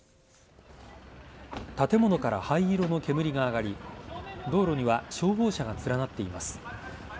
建物から灰色の煙が上がり道路には消防車が連なっています。